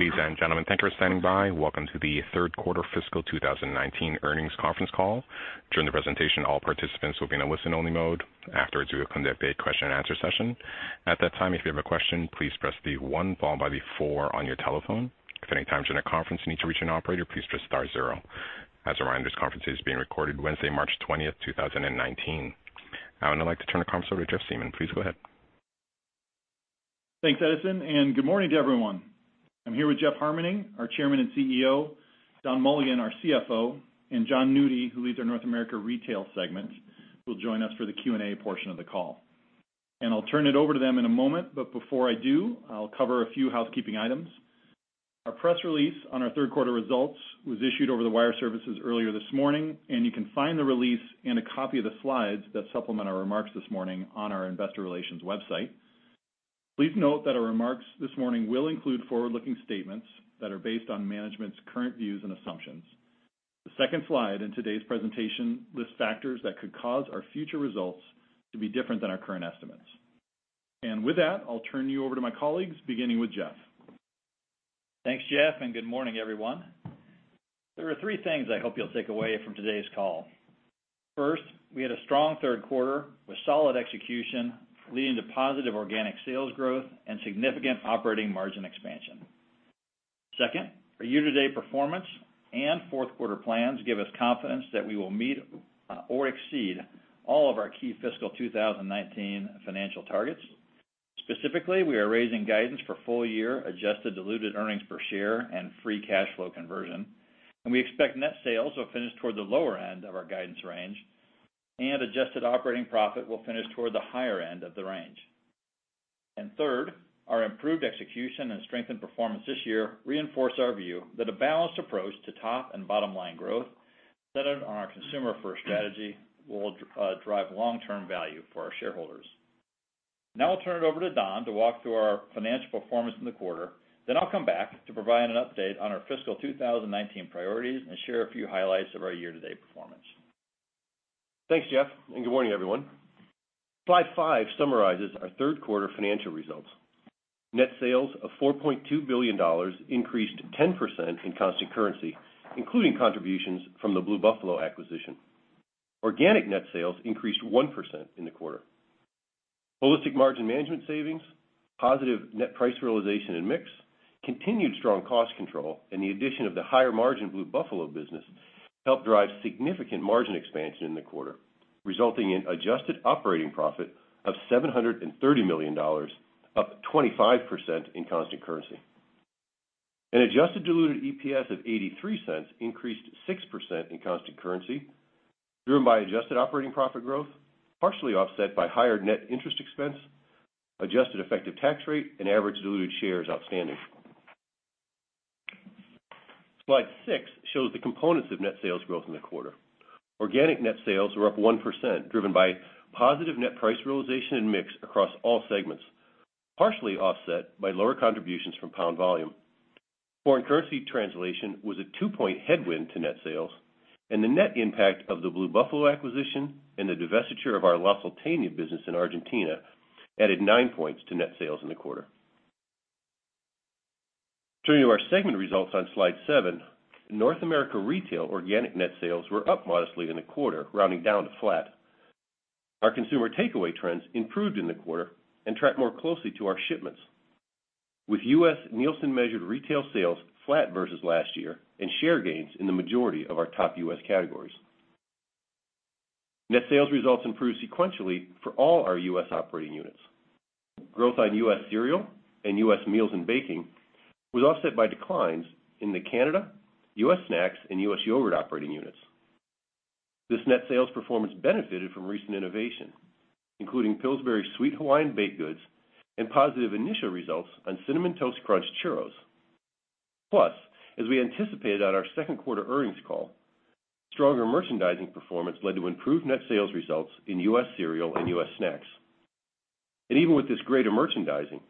Ladies and gentlemen, thank you for standing by. Welcome to the third quarter fiscal 2019 earnings conference call. During the presentation, all participants will be in a listen-only mode. Afterwards, we will conduct a question-and-answer session. At that time, if you have a question, please press the one followed by the four on your telephone. If at any time during the conference you need to reach an operator, please press star zero. As a reminder, this conference is being recorded Wednesday, March 20th, 2019. Now, I'd like to turn the conference over to Jeff Siemon. Please go ahead. Thanks, Alliston, and good morning to everyone. I'm here with Jeff Harmening, our Chairman and CEO, Don Mulligan, our CFO, and Jon Nudi, who leads our North America Retail segment, who will join us for the Q&A portion of the call. I'll turn it over to them in a moment, before I do, I'll cover a few housekeeping items. Our press release on our third quarter results was issued over the wire services earlier this morning, you can find the release and a copy of the slides that supplement our remarks this morning on our investor relations website. Please note that our remarks this morning will include forward-looking statements that are based on management's current views and assumptions. The second slide in today's presentation lists factors that could cause our future results to be different than our current estimates. With that, I'll turn you over to my colleagues, beginning with Jeff. Thanks, Jeff, good morning, everyone. There are three things I hope you'll take away from today's call. First, we had a strong third quarter with solid execution, leading to positive organic sales growth and significant operating margin expansion. Second, our year-to-date performance and fourth quarter plans give us confidence that we will meet or exceed all of our key fiscal 2019 financial targets. Specifically, we are raising guidance for full year adjusted diluted earnings per share and free cash flow conversion, we expect net sales will finish toward the lower end of our guidance range, adjusted operating profit will finish toward the higher end of the range. Third, our improved execution and strengthened performance this year reinforce our view that a balanced approach to top and bottom-line growth centered on our consumer-first strategy will drive long-term value for our shareholders. Now I'll turn it over to Don to walk through our financial performance in the quarter, then I'll come back to provide an update on our fiscal 2019 priorities and share a few highlights of our year-to-date performance. Thanks, Jeff, good morning, everyone. Slide five summarizes our third quarter financial results. Net sales of $4.2 billion increased 10% in constant currency, including contributions from the Blue Buffalo acquisition. Organic net sales increased 1% in the quarter. Holistic margin management savings, positive net price realization and mix, continued strong cost control, and the addition of the higher margin Blue Buffalo business helped drive significant margin expansion in the quarter, resulting in adjusted operating profit of $730 million, up 25% in constant currency. Adjusted diluted EPS of $0.83 increased 6% in constant currency, driven by adjusted operating profit growth, partially offset by higher net interest expense, adjusted effective tax rate, and average diluted shares outstanding. Slide six shows the components of net sales growth in the quarter. Organic net sales were up 1%, driven by positive net price realization and mix across all segments, partially offset by lower contributions from pound volume. Foreign currency translation was a two-point headwind to net sales. The net impact of the Blue Buffalo acquisition and the divestiture of our La Salteña business in Argentina added nine points to net sales in the quarter. Turning to our segment results on slide seven, North America retail organic net sales were up modestly in the quarter, rounding down to flat. Our consumer takeaway trends improved in the quarter and tracked more closely to our shipments, with U.S. Nielsen-measured retail sales flat versus last year and share gains in the majority of our top U.S. categories. Net sales results improved sequentially for all our U.S. operating units. Growth on U.S. cereal and U.S. meals and baking was offset by declines in the Canada, U.S. snacks, and U.S. yogurt operating units. This net sales performance benefited from recent innovation, including Pillsbury Sweet Hawaiian baked goods and positive initial results on Cinnamon Toast Crunch Churros. As we anticipated on our second quarter earnings call, stronger merchandising performance led to improved net sales results in U.S. cereal and U.S. snacks. Even with this greater merchandising,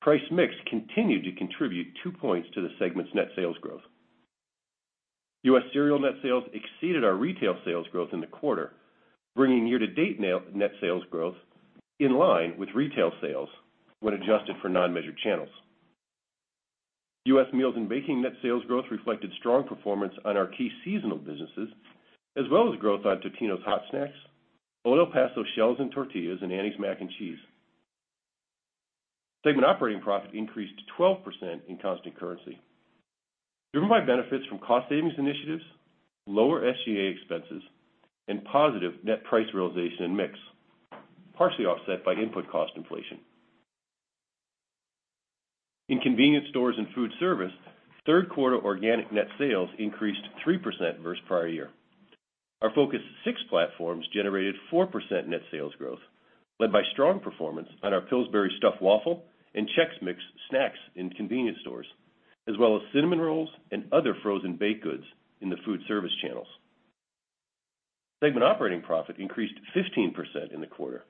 price mix continued to contribute two points to the segment's net sales growth. U.S. cereal net sales exceeded our retail sales growth in the quarter, bringing year-to-date net sales growth in line with retail sales when adjusted for non-measured channels. U.S. meals and baking net sales growth reflected strong performance on our key seasonal businesses, as well as growth on Totino's Hot Snacks, Old El Paso shells and tortillas, and Annie's Mac & Cheese. Segment operating profit increased 12% in constant currency, driven by benefits from cost savings initiatives, lower SG&A expenses, and positive net price realization and mix, partially offset by input cost inflation. In Convenience Stores & Foodservice, third quarter organic net sales increased 3% versus prior year. Our Focus 6 platforms generated 4% net sales growth, led by strong performance on our Pillsbury stuffed waffle and Chex Mix snacks in convenience stores, as well as cinnamon rolls and other frozen baked goods in the foodservice channels. Segment operating profit increased 15% in the quarter,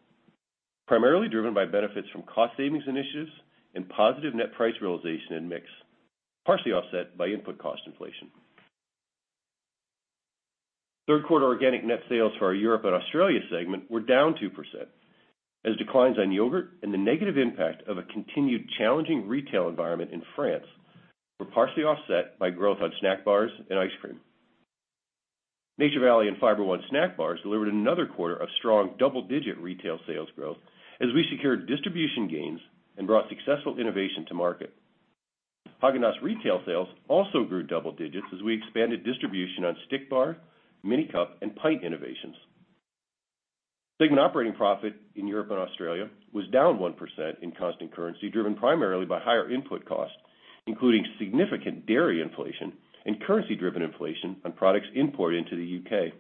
primarily driven by benefits from cost savings initiatives and positive net price realization and mix, partially offset by input cost inflation. Third quarter organic net sales for our Europe and Australia Segment were down 2%, as declines on yogurt and the negative impact of a continued challenging retail environment in France were partially offset by growth on snack bars and ice cream. Nature Valley and Fiber One snack bars delivered another quarter of strong double-digit retail sales growth as we secured distribution gains and brought successful innovation to market. Häagen-Dazs retail sales also grew double digits as we expanded distribution on Stick Bar, Mini Cup, and pint innovations. Segment operating profit in Europe and Australia Segment was down 1% in constant currency, driven primarily by higher input costs, including significant dairy inflation and currency-driven inflation on products imported into the U.K.,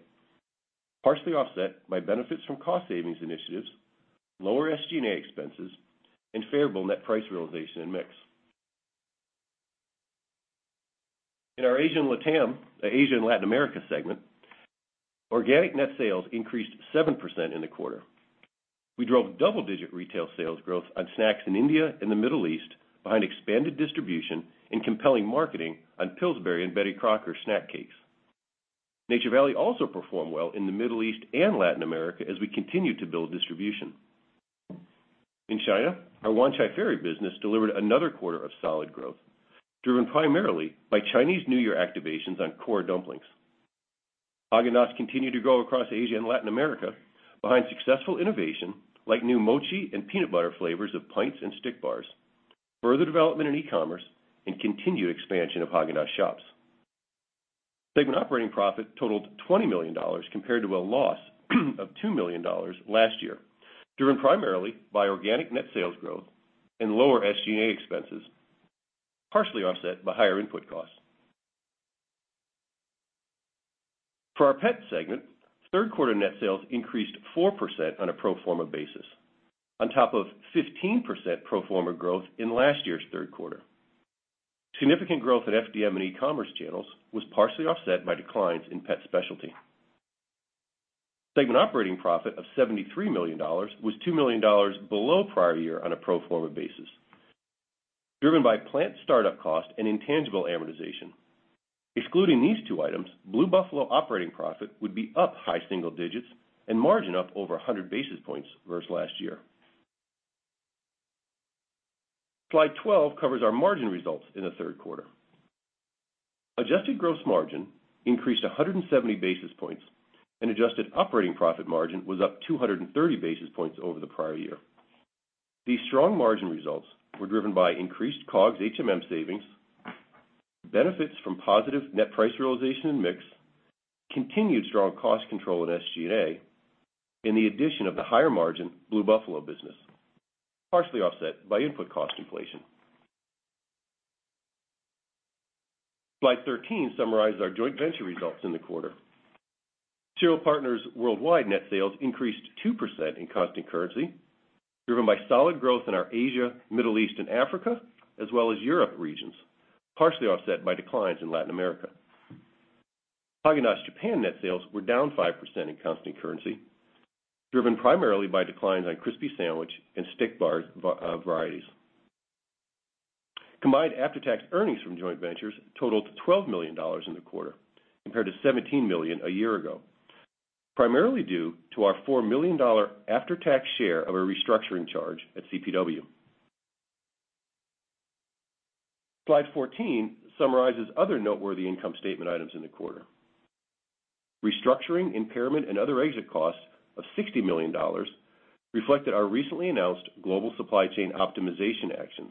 partially offset by benefits from cost savings initiatives, lower SG&A expenses, and favorable net price realization and mix. In our Asia & Latin America Segment, organic net sales increased 7% in the quarter. We drove double-digit retail sales growth on snacks in India and the Middle East behind expanded distribution and compelling marketing on Pillsbury and Betty Crocker snack cakes. Nature Valley also performed well in the Middle East and Latin America as we continue to build distribution. In China, our Wanchai Ferry business delivered another quarter of solid growth, driven primarily by Chinese New Year activations on core dumplings. Häagen-Dazs continued to grow across Asia and Latin America behind successful innovation like new mochi and peanut butter flavors of pints and Stick Bars, further development in e-commerce, and continued expansion of Häagen-Dazs shops. Segment operating profit totaled $20 million compared to a loss of $2 million last year, driven primarily by organic net sales growth and lower SG&A expenses, partially offset by higher input costs. For our Pet Segment, third quarter net sales increased 4% on a pro forma basis, on top of 15% pro forma growth in last year's third quarter. Significant growth in FDM and e-commerce channels was partially offset by declines in pet specialty. Segment operating profit of $73 million was $2 million below prior year on a pro forma basis, driven by plant startup costs and intangible amortization. Excluding these two items, Blue Buffalo operating profit would be up high single digits and margin up over 100 basis points versus last year. Slide 12 covers our margin results in the third quarter. Adjusted gross margin increased 170 basis points, and adjusted operating profit margin was up 230 basis points over the prior year. These strong margin results were driven by increased COGS HMM savings, benefits from positive net price realization and mix, continued strong cost control in SG&A, and the addition of the higher-margin Blue Buffalo business, partially offset by input cost inflation. Slide 13 summarizes our joint venture results in the quarter. Cereal Partners Worldwide net sales increased 2% in constant currency, driven by solid growth in our Asia, Middle East, and Africa, as well as Europe regions, partially offset by declines in Latin America. Häagen-Dazs Japan net sales were down 5% in constant currency, driven primarily by declines on Crispy Sandwich and Stick Bars varieties. Combined after-tax earnings from joint ventures totaled $12 million in the quarter, compared to $17 million a year ago, primarily due to our $4 million after-tax share of a restructuring charge at CPW. Slide 14 summarizes other noteworthy income statement items in the quarter. Restructuring, impairment, and other exit costs of $60 million reflected our recently announced global supply chain optimization actions,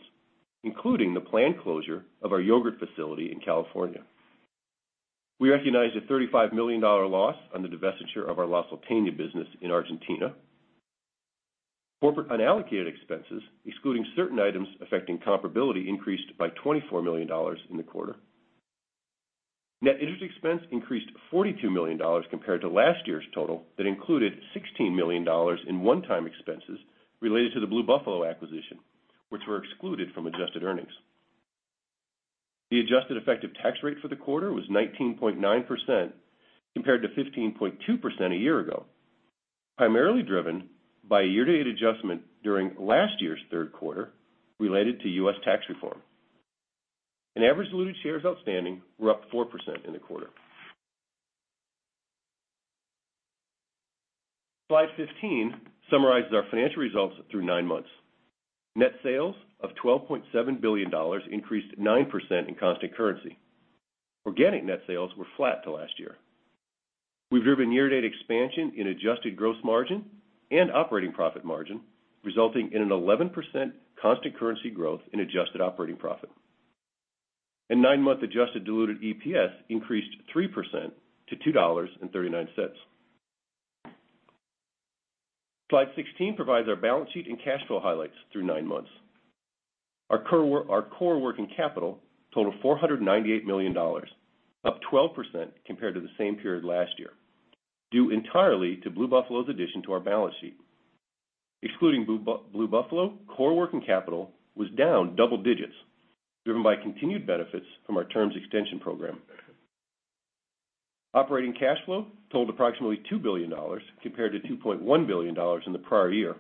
including the planned closure of our yogurt facility in California. We recognized a $35 million loss on the divestiture of our La Salteña business in Argentina. Corporate unallocated expenses, excluding certain items affecting comparability, increased by $24 million in the quarter. Net interest expense increased $42 million compared to last year's total that included $16 million in one-time expenses related to the Blue Buffalo acquisition, which were excluded from adjusted earnings. The adjusted effective tax rate for the quarter was 19.9% compared to 15.2% a year ago, primarily driven by a year-to-date adjustment during last year's third quarter related to U.S. tax reform. Average diluted shares outstanding were up 4% in the quarter. Slide 15 summarizes our financial results through nine months. Net sales of $12.7 billion increased 9% in constant currency. Organic net sales were flat to last year. We've driven year-to-date expansion in adjusted gross margin and operating profit margin, resulting in an 11% constant currency growth in adjusted operating profit. Nine-month adjusted diluted EPS increased 3% to $2.39. Slide 16 provides our balance sheet and cash flow highlights through nine months. Our core working capital totaled $498 million, up 12% compared to the same period last year, due entirely to Blue Buffalo's addition to our balance sheet. Excluding Blue Buffalo, core working capital was down double digits, driven by continued benefits from our terms extension program. Operating cash flow totaled approximately $2 billion, compared to $2.1 billion in the prior year,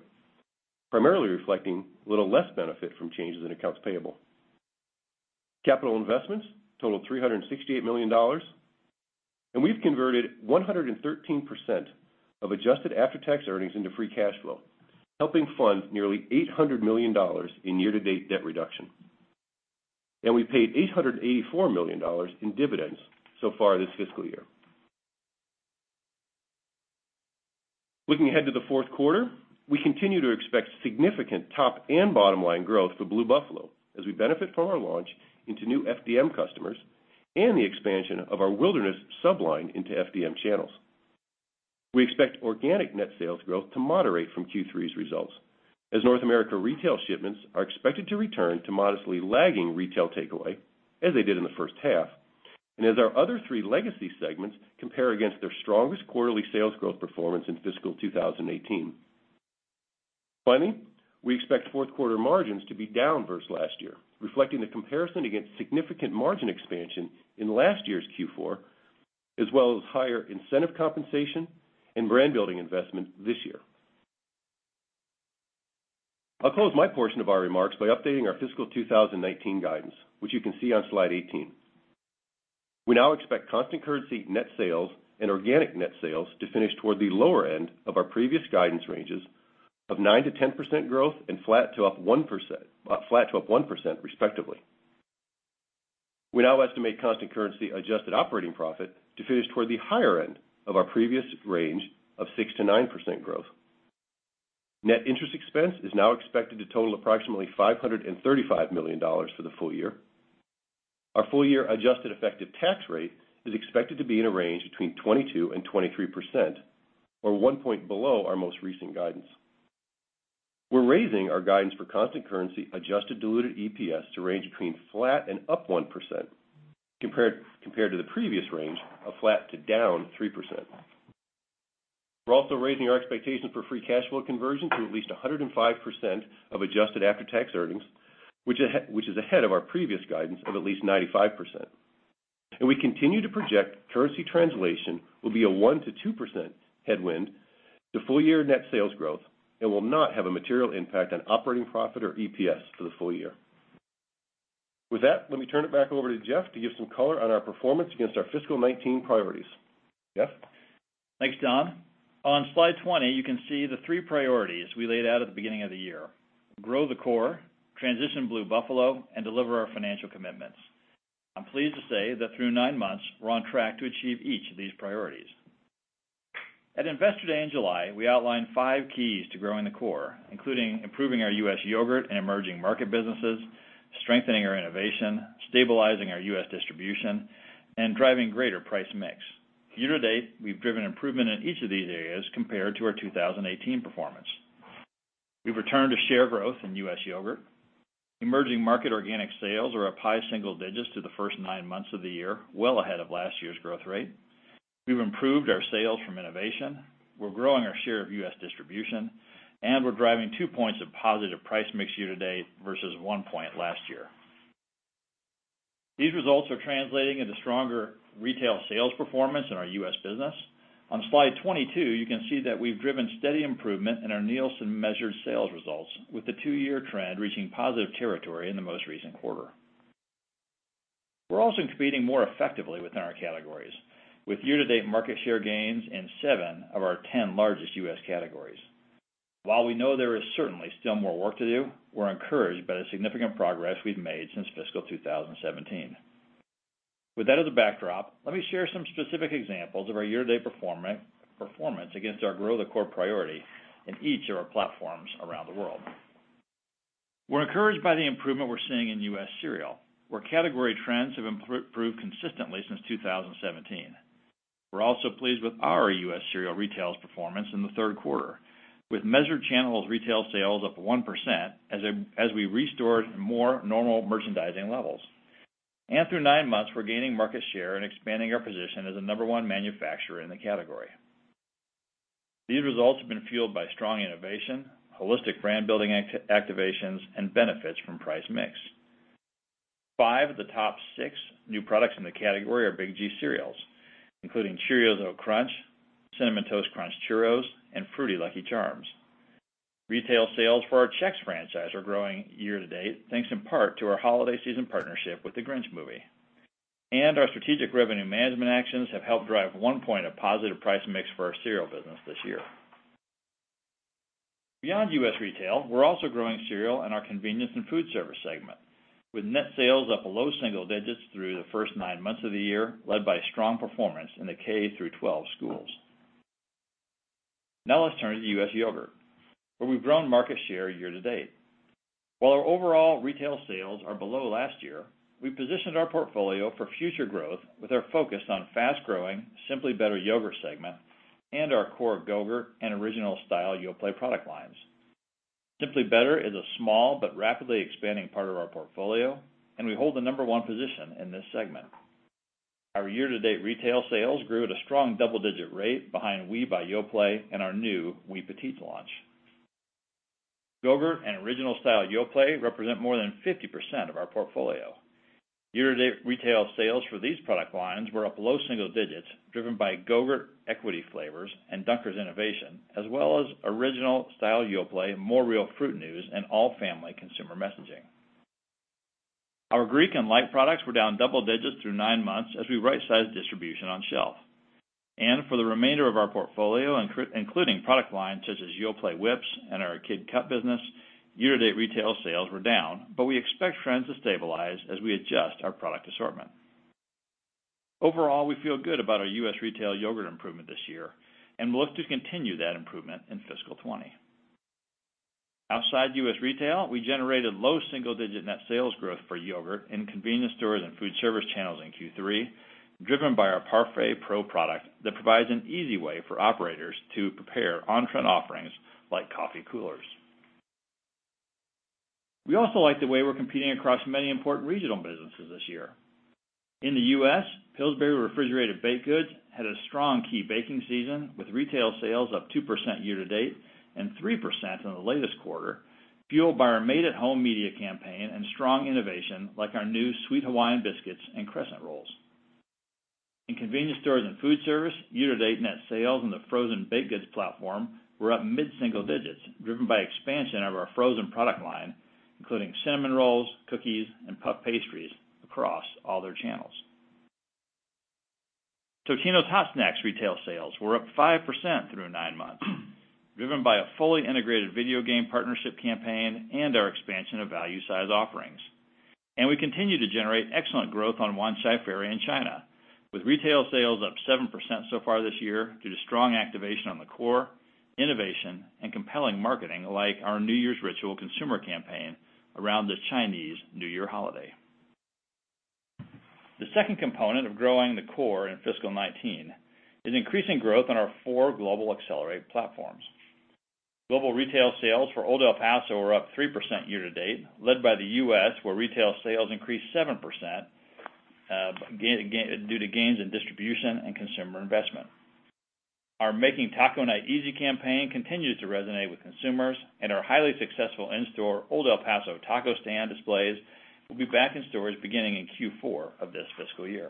primarily reflecting a little less benefit from changes in accounts payable. Capital investments totaled $368 million. We've converted 113% of adjusted after-tax earnings into free cash flow, helping fund nearly $800 million in year-to-date debt reduction. We paid $884 million in dividends so far this fiscal year. Looking ahead to the fourth quarter, we continue to expect significant top and bottom-line growth for Blue Buffalo as we benefit from our launch into new FDM customers and the expansion of our Wilderness sub-line into FDM channels. We expect organic net sales growth to moderate from Q3's results as North America retail shipments are expected to return to modestly lagging retail takeaway, as they did in the first half, and as our other three legacy segments compare against their strongest quarterly sales growth performance in fiscal 2018. Finally, we expect fourth quarter margins to be down versus last year, reflecting the comparison against significant margin expansion in last year's Q4, as well as higher incentive compensation and brand-building investment this year. I'll close my portion of our remarks by updating our fiscal 2019 guidance, which you can see on slide 18. We now expect constant currency net sales and organic net sales to finish toward the lower end of our previous guidance ranges of 9%-10% growth and flat to up 1% respectively. We now estimate constant currency adjusted operating profit to finish toward the higher end of our previous range of 6%-9% growth. Net interest expense is now expected to total approximately $535 million for the full year. Our full-year adjusted effective tax rate is expected to be in a range between 22% and 23%, or one point below our most recent guidance. We're raising our guidance for constant currency adjusted diluted EPS to range between flat and up 1% compared to the previous range of flat to down 3%. We're also raising our expectation for free cash flow conversion to at least 105% of adjusted after-tax earnings, which is ahead of our previous guidance of at least 95%. We continue to project currency translation will be a 1%-2% headwind to full-year net sales growth and will not have a material impact on operating profit or EPS for the full year. With that, let me turn it back over to Jeff to give some color on our performance against our fiscal 2019 priorities. Jeff? Thanks, Don. On slide 20, you can see the three priorities we laid out at the beginning of the year, grow the core, transition Blue Buffalo, and deliver our financial commitments. I'm pleased to say that through nine months, we're on track to achieve each of these priorities. At Investor Day in July, we outlined five keys to growing the core, including improving our U.S. yogurt and emerging market businesses, strengthening our innovation, stabilizing our U.S. distribution, and driving greater price mix. Year to date, we've driven improvement in each of these areas compared to our 2018 performance. We've returned to share growth in U.S. yogurt. Emerging market organic sales are up high single digits to the first nine months of the year, well ahead of last year's growth rate. We've improved our sales from innovation. We're growing our share of U.S. distribution, and we're driving two points of positive price mix year to date versus one point last year. These results are translating into stronger retail sales performance in our U.S. business. On slide 22, you can see that we've driven steady improvement in our Nielsen-measured sales results with the two-year trend reaching positive territory in the most recent quarter. We're also competing more effectively within our categories with year-to-date market share gains in seven of our 10 largest U.S. categories. While we know there is certainly still more work to do, we're encouraged by the significant progress we've made since fiscal 2017. With that as a backdrop, let me share some specific examples of our year-to-date performance against our grow the core priority in each of our platforms around the world. We're encouraged by the improvement we're seeing in U.S. cereal, where category trends have improved consistently since 2017. We're also pleased with our U.S. cereal retails performance in the third quarter, with measured channels retail sales up 1% as we restored more normal merchandising levels. Through nine months, we're gaining market share and expanding our position as a number one manufacturer in the category. These results have been fueled by strong innovation, holistic brand-building activations, and benefits from price mix. Five of the top six new products in the category are Big G cereals, including Cheerios Oat Crunch, Cinnamon Toast Crunch Churros, and Fruity Lucky Charms. Retail sales for our Chex franchise are growing year to date, thanks in part to our holiday season partnership with "The Grinch" movie. Our strategic revenue management actions have helped drive one point of positive price mix for our cereal business this year. Beyond U.S. retail, we're also growing cereal in our convenience and food service segment, with net sales up low single digits through the first nine months of the year, led by strong performance in the K through 12 schools. Now let's turn to U.S. yogurt, where we've grown market share year to date. While our overall retail sales are below last year, we positioned our portfolio for future growth with our focus on fast-growing Simply Better yogurt segment and our core Go-GURT and original style Yoplait product lines. Simply Better is a small but rapidly expanding part of our portfolio, and we hold the number one position in this segment. Our year-to-date retail sales grew at a strong double-digit rate behind Oui by Yoplait and our new Oui Petite launch. Go-GURT and original style Yoplait represent more than 50% of our portfolio. Year-to-date retail sales for these product lines were up low single digits, driven by Go-GURT equity flavors and Dunkers innovation, as well as original style Yoplait More Real Fruit news and all family consumer messaging. Our Greek and Light products were down double digits through nine months as we right-sized distribution on shelf. For the remainder of our portfolio, including product lines such as Yoplait Whips! and our Kid Cup business, year-to-date retail sales were down, but we expect trends to stabilize as we adjust our product assortment. Overall, we feel good about our U.S. retail yogurt improvement this year, and look to continue that improvement in fiscal 2020. Outside U.S. retail, we generated low single-digit net sales growth for yogurt in convenience stores and food service channels in Q3, driven by our ParfaitPro product that provides an easy way for operators to prepare on-trend offerings like coffee coolers. We also like the way we're competing across many important regional businesses this year. In the U.S., Pillsbury Refrigerated Baked Goods had a strong key baking season, with retail sales up 2% year to date and 3% in the latest quarter, fueled by our Made at Home media campaign and strong innovation like our new Sweet Hawaiian biscuits and crescent rolls. In convenience stores and food service, year-to-date net sales in the frozen baked goods platform were up mid-single digits, driven by expansion of our frozen product line, including cinnamon rolls, cookies, and puff pastries across all their channels. Totino's Hot Snacks retail sales were up 5% through nine months, driven by a fully integrated video game partnership campaign and our expansion of value size offerings. We continue to generate excellent growth on Wanchai Ferry in China, with retail sales up 7% so far this year due to strong activation on the core, innovation, and compelling marketing like our New Year's Ritual consumer campaign around the Chinese New Year holiday. The second component of growing the core in fiscal 2019 is increasing growth in our four global accelerate platforms. Global retail sales for Old El Paso are up 3% year to date, led by the U.S., where retail sales increased 7%, due to gains in distribution and consumer investment. Our Making Taco Night Easy campaign continues to resonate with consumers. Our highly successful in-store Old El Paso taco stand displays will be back in stores beginning in Q4 of this fiscal year.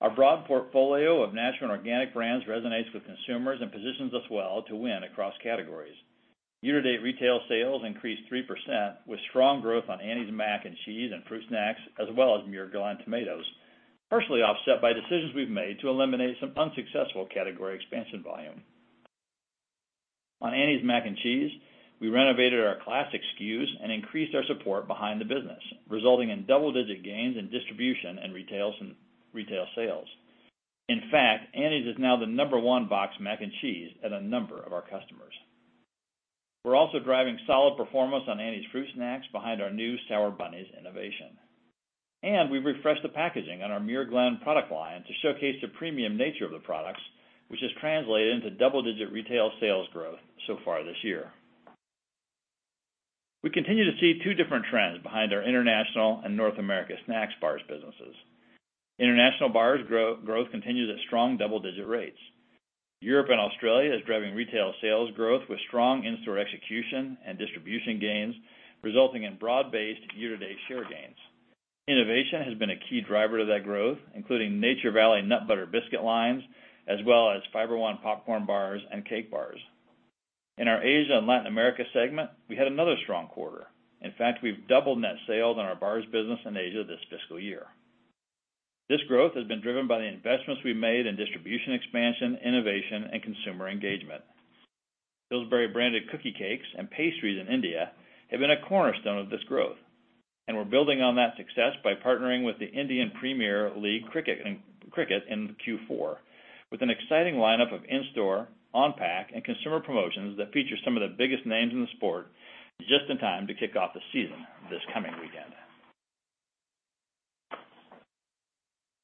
Our broad portfolio of national and organic brands resonates with consumers and positions us well to win across categories. Year-to-date retail sales increased 3%, with strong growth on Annie's Mac & Cheese and fruit snacks, as well as Muir Glen tomatoes, partially offset by decisions we've made to eliminate some unsuccessful category expansion volume. On Annie's Mac & Cheese, we renovated our classic SKUs and increased our support behind the business, resulting in double-digit gains in distribution and retail sales. In fact, Annie's is now the number one boxed mac and cheese at a number of our customers. We're also driving solid performance on Annie's fruit snacks behind our new Sour Bunnies innovation. We've refreshed the packaging on our Muir Glen product line to showcase the premium nature of the products, which has translated into double-digit retail sales growth so far this year. We continue to see two different trends behind our international and North America snacks bars businesses. International bars growth continues at strong double-digit rates. Europe and Australia is driving retail sales growth with strong in-store execution and distribution gains, resulting in broad-based year-to-date share gains. Innovation has been a key driver to that growth, including Nature Valley nut butter biscuit lines, as well as Fiber One popcorn bars and cake bars. In our Asia and Latin America segment, we had another strong quarter. In fact, we've doubled net sales in our bars business in Asia this fiscal year. This growth has been driven by the investments we made in distribution expansion, innovation, and consumer engagement. Pillsbury branded cookie cakes and pastries in India have been a cornerstone of this growth. We're building on that success by partnering with the Indian Premier League Cricket in Q4, with an exciting lineup of in-store, on-pack, and consumer promotions that feature some of the biggest names in the sport just in time to kick off the season this coming weekend.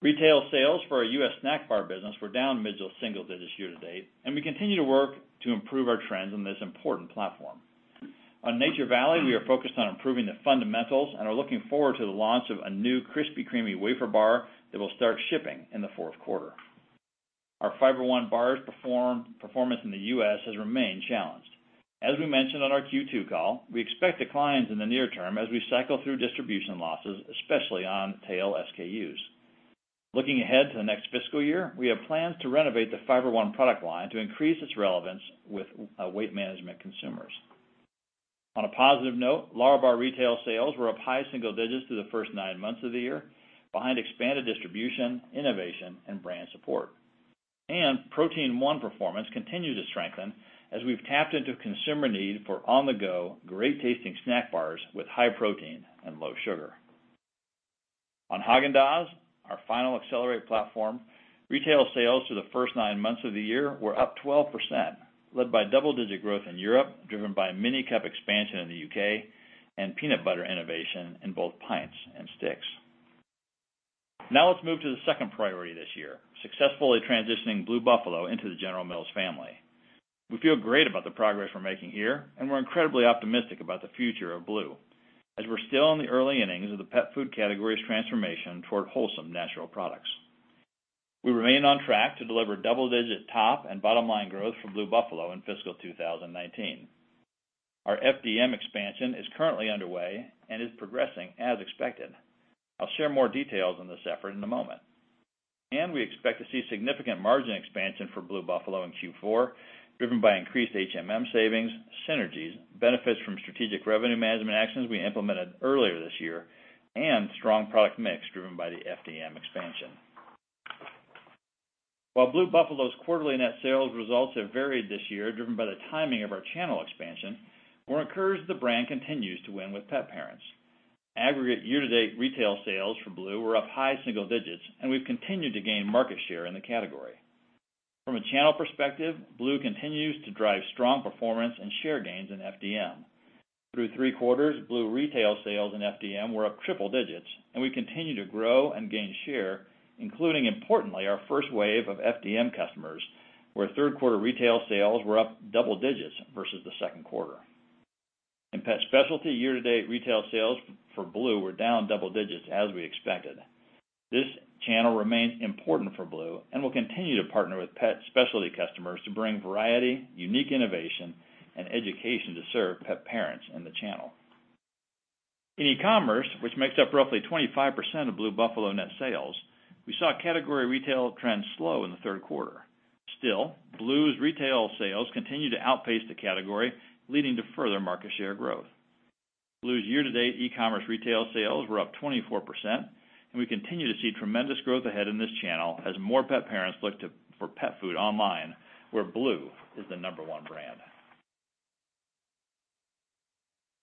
Retail sales for our U.S. snack bar business were down mid-to-single digits year-to-date. We continue to work to improve our trends in this important platform. On Nature Valley, we are focused on improving the fundamentals and are looking forward to the launch of a new Crispy Creamy Wafer Bar that will start shipping in the fourth quarter. Our Fiber One bars performance in the U.S. has remained challenged. As we mentioned on our Q2 call, we expect declines in the near term as we cycle through distribution losses, especially on tail SKUs. Looking ahead to the next fiscal year, we have plans to renovate the Fiber One product line to increase its relevance with weight management consumers. On a positive note, LÄRABAR retail sales were up high-single digits through the first nine months of the year behind expanded distribution, innovation, and brand support. Protein One performance continued to strengthen as we've tapped into consumer need for on-the-go, great-tasting snack bars with high protein and low sugar. On Häagen-Dazs, our final accelerate platform, retail sales for the first nine months of the year were up 12%, led by double-digit growth in Europe, driven by Mini Cup expansion in the U.K. and peanut butter innovation in both pints and sticks. Now let's move to the second priority this year, successfully transitioning Blue Buffalo into the General Mills family. We feel great about the progress we're making here. We're incredibly optimistic about the future of Blue, as we're still in the early innings of the pet food category's transformation toward wholesome, natural products. We remain on track to deliver double-digit top and bottom-line growth for Blue Buffalo in fiscal 2019. Our FDM expansion is currently underway and is progressing as expected. I'll share more details on this effort in a moment. We expect to see significant margin expansion for Blue Buffalo in Q4, driven by increased HMM savings, synergies, benefits from strategic revenue management actions we implemented earlier this year, and strong product mix driven by the FDM expansion. While Blue Buffalo's quarterly net sales results have varied this year, driven by the timing of our channel expansion, we're encouraged the brand continues to win with pet parents. Aggregate year-to-date retail sales for Blue were up high-single digits. We've continued to gain market share in the category. From a channel perspective, Blue continues to drive strong performance and share gains in FDM. Through three quarters, Blue retail sales and FDM were up triple digits. We continue to grow and gain share, including, importantly, our first wave of FDM customers, where third quarter retail sales were up double digits versus the second quarter. In pet specialty year-to-date, retail sales for Blue were down double digits as we expected. This channel remains important for Blue. We'll continue to partner with pet specialty customers to bring variety, unique innovation, and education to serve pet parents in the channel. In e-commerce, which makes up roughly 25% of Blue Buffalo net sales, we saw category retail trends slow in the third quarter. Still, Blue's retail sales continue to outpace the category, leading to further market share growth. Blue's year-to-date e-commerce retail sales were up 24%, and we continue to see tremendous growth ahead in this channel as more pet parents look for pet food online, where Blue is the number one brand.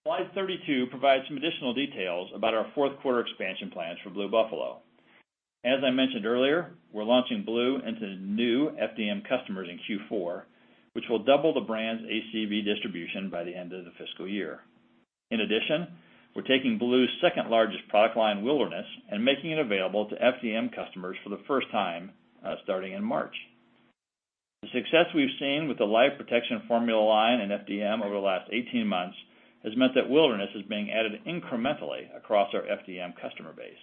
Slide 32 provides some additional details about our fourth quarter expansion plans for Blue Buffalo. As I mentioned earlier, we're launching Blue into new FDM customers in Q4, which will double the brand's ACV distribution by the end of the fiscal year. In addition, we're taking Blue's second-largest product line, Wilderness, and making it available to FDM customers for the first time starting in March. The success we've seen with the Life Protection Formula line in FDM over the last 18 months has meant that Wilderness is being added incrementally across our FDM customer base.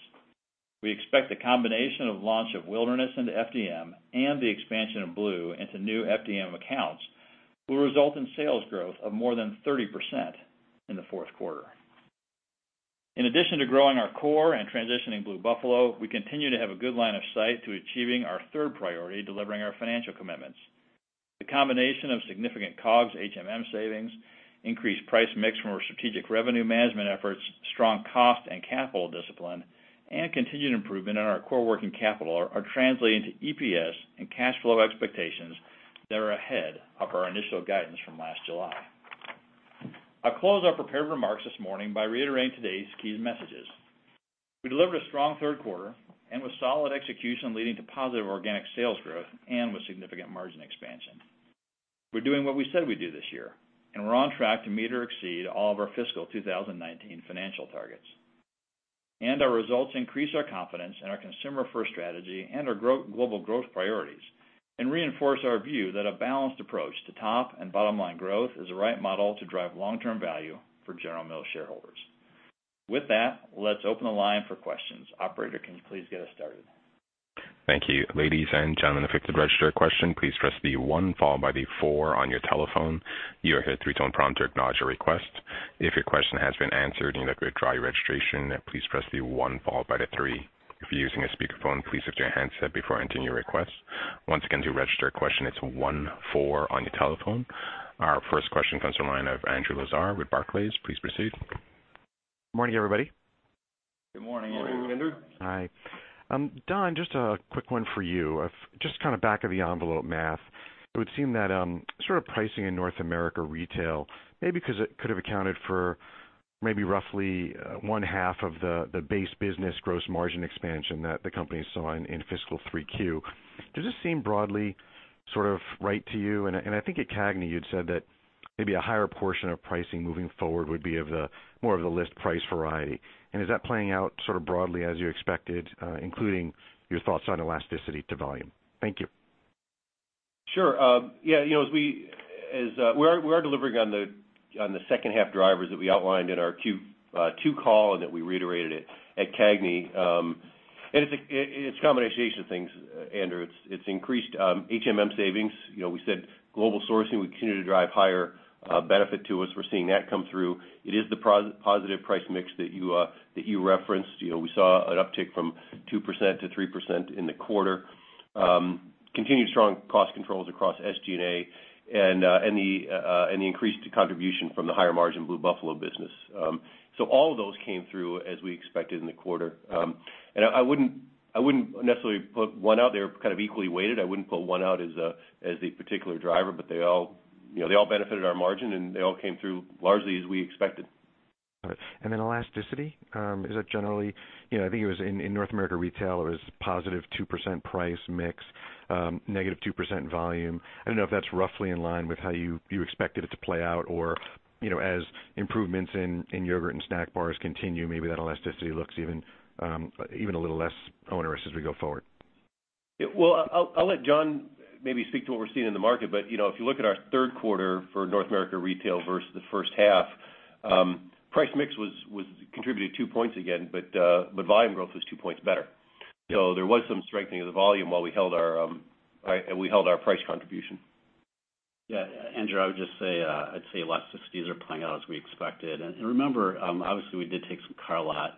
We expect the combination of launch of Wilderness into FDM and the expansion of Blue into new FDM accounts will result in sales growth of more than 30% in the fourth quarter. In addition to growing our core and transitioning Blue Buffalo, we continue to have a good line of sight to achieving our third priority, delivering our financial commitments. The combination of significant COGS HMM savings, increased price mix from our strategic revenue management efforts, strong cost and capital discipline, and continued improvement in our core working capital are translating to EPS and cash flow expectations that are ahead of our initial guidance from last July. I'll close our prepared remarks this morning by reiterating today's key messages. We delivered a strong third quarter and with solid execution leading to positive organic sales growth and with significant margin expansion. We're doing what we said we'd do this year, and we're on track to meet or exceed all of our fiscal 2019 financial targets. Our results increase our confidence in our consumer-first strategy and our global growth priorities and reinforce our view that a balanced approach to top and bottom-line growth is the right model to drive long-term value for General Mills shareholders. With that, let's open the line for questions. Operator, can you please get us started? Thank you. Ladies and gentlemen, if you'd like to register a question, please press the one followed by the four on your telephone. You will hear a three-tone prompt to acknowledge your request. If your question has been answered and you'd like to withdraw your registration, please press the one followed by the three. If you're using a speakerphone, please lift your handset before entering your request. Once again, to register a question, it's one, four on your telephone. Our first question comes from the line of Andrew Lazar with Barclays. Please proceed. Morning, everybody. Good morning, Andrew. Morning, Andrew. Hi. Don, just a quick one for you. Just kind of back of the envelope math, it would seem that sort of pricing in North America retail, maybe because it could have accounted for maybe roughly one half of the base business gross margin expansion that the company saw in fiscal 3Q. Does this seem broadly sort of right to you? I think at CAGNY, you'd said that maybe a higher portion of pricing moving forward would be more of the list price variety. Is that playing out sort of broadly as you expected, including your thoughts on elasticity to volume? Thank you. Sure. We are delivering on the second half drivers that we outlined in our Q2 call and that we reiterated it at CAGNY. It's a combination of things, Andrew. It's increased HMM savings. We said global sourcing would continue to drive higher benefit to us. We're seeing that come through. It is the positive price mix that you referenced. We saw an uptick from 2% to 3% in the quarter, continued strong cost controls across SG&A, and the increased contribution from the higher margin Blue Buffalo business. All of those came through as we expected in the quarter. I wouldn't necessarily put one out there kind of equally weighted. I wouldn't pull one out as a particular driver, but they all benefited our margin, and they all came through largely as we expected. All right. Elasticity, is that generally, I think it was in North America retail, it was positive 2% price mix, negative 2% volume. I don't know if that's roughly in line with how you expected it to play out or as improvements in yogurt and snack bars continue, maybe that elasticity looks even a little less onerous as we go forward. Well, I'll let Jon maybe speak to what we're seeing in the market, but if you look at our third quarter for North America retail versus the first half, price mix contributed 2 points again, but volume growth was 2 points better. There was some strengthening of the volume while we held our price contribution. Yeah, Andrew, I would just say elasticity are playing out as we expected. Remember, obviously we did take some carve out,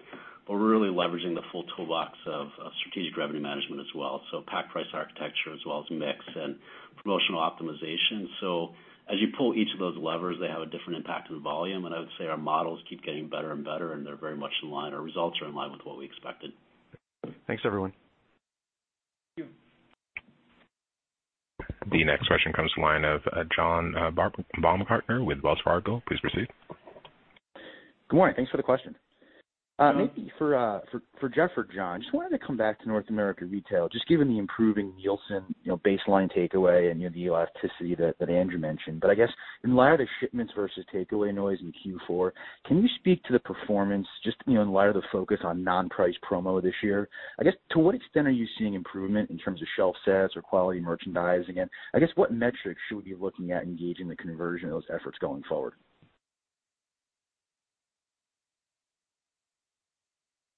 but we're really leveraging the full toolbox of strategic revenue management as well. Pack price architecture as well as mix and promotional optimization. As you pull each of those levers, they have a different impact on the volume. I would say our models keep getting better and better, and they're very much in line. Our results are in line with what we expected. Thanks, everyone. Thank you. The next question comes to the line of John Baumgartner with Wells Fargo. Please proceed. Good morning. Thanks for the question. Maybe for Jeff or Jon, just wanted to come back to North America Retail, just given the improving Nielsen baseline takeaway and the elasticity that Andrew mentioned. I guess in light of the shipments versus takeaway noise in Q4, can you speak to the performance just in light of the focus on non-price promo this year? I guess to what extent are you seeing improvement in terms of shelf sets or quality merchandising? I guess what metrics should we be looking at engaging the conversion of those efforts going forward?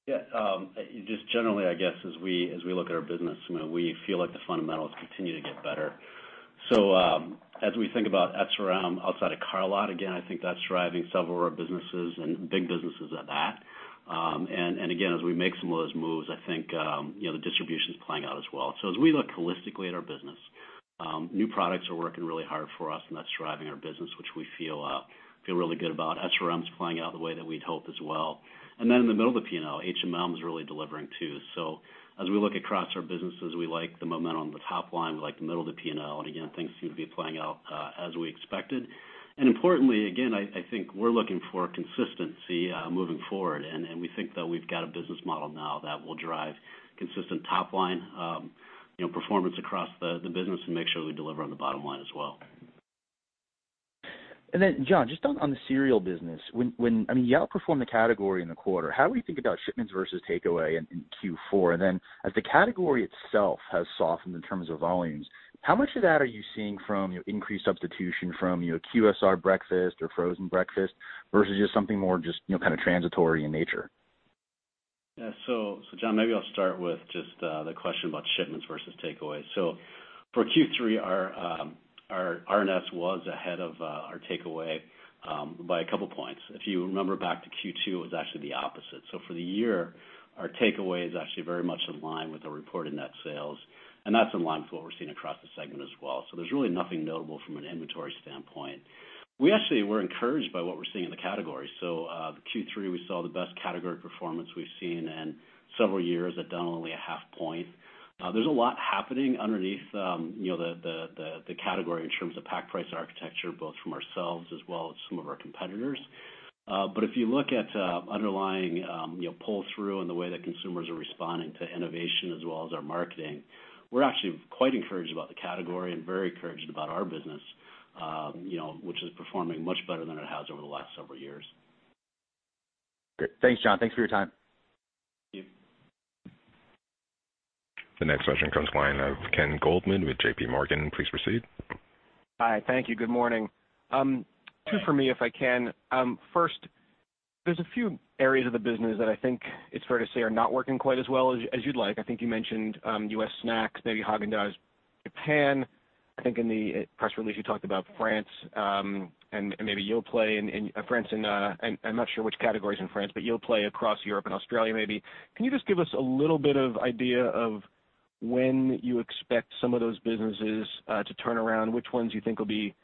Yeah. Just generally, I guess as we look at our business, we feel like the fundamentals continue to get better. As we think about SRM outside of carve out, again, I think that's driving several of our businesses and big businesses at that. Again, as we make some of those moves, I think the distribution's playing out as well. As we look holistically at our business, new products are working really hard for us, and that's driving our business, which we feel really good about. SRM's playing out the way that we'd hoped as well. Then in the middle of the P&L, HMM is really delivering too. As we look across our businesses, we like the momentum of the top line, we like the middle of the P&L, and again, things seem to be playing out, as we expected. Importantly, again, I think we're looking for consistency moving forward, and we think that we've got a business model now that will drive consistent top line performance across the business and make sure we deliver on the bottom line as well. Then Jon, just on the cereal business, you outperformed the category in the quarter. How do we think about shipments versus takeaway in Q4? And as the category itself has softened in terms of volumes, how much of that are you seeing from increased substitution from QSR breakfast or frozen breakfast versus just something more just kind of transitory in nature? Yeah. John, maybe I'll start with just the question about shipments versus takeaway. For Q3, our RNS was ahead of our takeaway by a couple of points. If you remember back to Q2, it was actually the opposite. For the year, our takeaway is actually very much in line with the reported net sales, and that's in line with what we're seeing across the segment as well. There's really nothing notable from an inventory standpoint. We actually were encouraged by what we're seeing in the category. Q3, we saw the best category performance we've seen in several years, down only a half point. There's a lot happening underneath the category in terms of pack price architecture, both from ourselves as well as some of our competitors. If you look at underlying pull-through and the way that consumers are responding to innovation as well as our marketing, we're actually quite encouraged about the category and very encouraged about our business, which is performing much better than it has over the last several years. Great. Thanks, Jon. Thanks for your time. Thank you. The next question comes line of Ken Goldman with JP Morgan. Please proceed. Hi. Thank you. Good morning. Two for me, if I can. There's a few areas of the business that I think it's fair to say are not working quite as well as you'd like. I think you mentioned U.S. snacks, maybe Häagen-Dazs Japan. I think in the press release you talked about France, maybe Yoplait in France, and I'm not sure which categories in France, but Yoplait across Europe and Australia, maybe. Can you just give us a little bit of idea of when you expect some of those businesses to turn around, which ones you think will be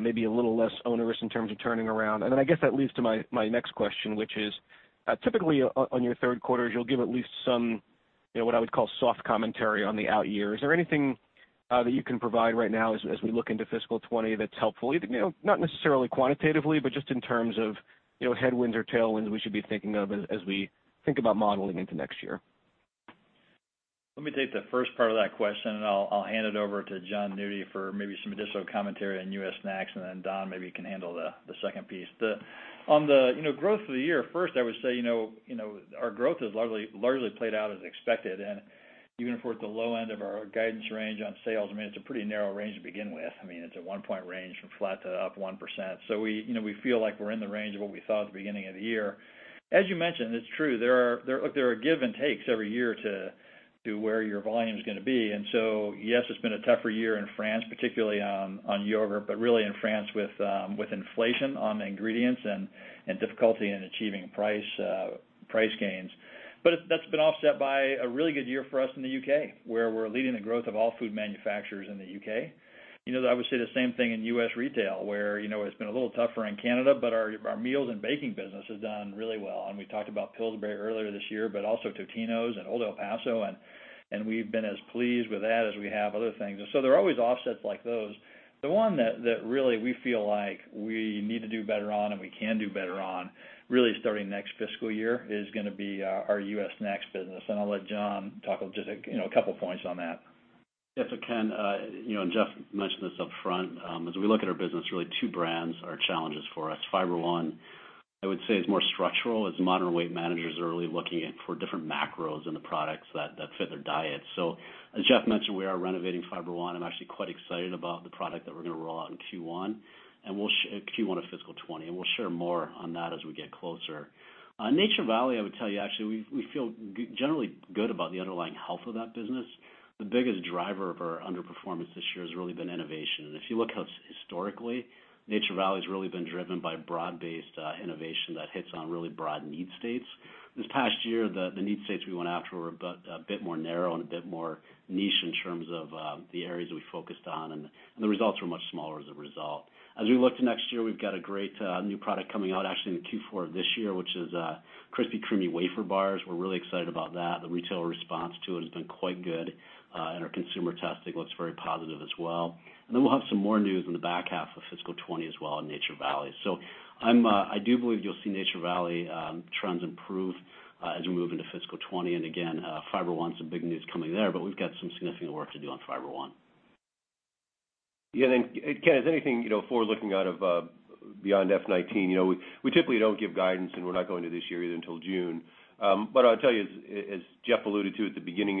maybe a little less onerous in terms of turning around? I guess that leads to my next question, which is, typically on your third quarters, you'll give at least some, what I would call soft commentary on the out years. Is there anything that you can provide right now as we look into FY 2020 that's helpful? Not necessarily quantitatively, just in terms of headwinds or tailwinds we should be thinking of as we think about modeling into next year. Let me take the first part of that question. I'll hand it over to Jon Nudi for maybe some additional commentary on U.S. snacks. Don, maybe you can handle the second piece. On the growth of the year, I would say our growth has largely played out as expected. Even if we're at the low end of our guidance range on sales, it's a pretty narrow range to begin with. It's a one-point range from flat to up 1%. We feel like we're in the range of what we thought at the beginning of the year. As you mentioned, it's true, there are give and takes every year to where your volume's gonna be. Yes, it's been a tougher year in France, particularly on yogurt, but really in France with inflation on ingredients and difficulty in achieving price gains. That's been offset by a really good year for us in the U.K., where we're leading the growth of all food manufacturers in the U.K. I would say the same thing in U.S. retail, where it's been a little tougher in Canada. Our meals and baking business has done really well. We talked about Pillsbury earlier this year, also Totino's and Old El Paso, and we've been as pleased with that as we have other things. There are always offsets like those. The one that really we feel like we need to do better on and we can do better on, really starting next fiscal year, is gonna be our U.S. snacks business. I'll let Jon talk just a couple of points on that. Yes. Ken, Jeff mentioned this upfront. As we look at our business, really two brands are challenges for us. Fiber One, I would say, is more structural as modern weight managers are really looking for different macros in the products that fit their diet. As Jeff mentioned, we are renovating Fiber One. I'm actually quite excited about the product that we're going to roll out in Q1 of FY 2020, and we'll share more on that as we get closer. Nature Valley, I would tell you, actually, we feel generally good about the underlying health of that business. The biggest driver of our underperformance this year has really been innovation. If you look historically, Nature Valley's really been driven by broad-based innovation that hits on really broad need states. This past year, the need states we went after were a bit more narrow and a bit more niche in terms of the areas we focused on, and the results were much smaller as a result. As we look to next year, we've got a great new product coming out actually in the Q4 of this year, which is Crispy Creamy wafer bars. We're really excited about that. The retailer response to it has been quite good, and our consumer testing looks very positive as well. We'll have some more news in the back half of FY 2020 as well in Nature Valley. I do believe you'll see Nature Valley trends improve as we move into FY 2020, and again, Fiber One, some big news coming there, but we've got some significant work to do on Fiber One. Yeah. Ken, is anything forward-looking out of beyond FY 2019? We typically don't give guidance, and we're not going to this year either until June. I'll tell you, as Jeff alluded to at the beginning